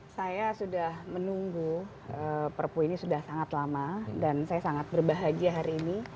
saya sudah menunggu perpu ini sudah sangat lama dan saya sangat berbahagia hari ini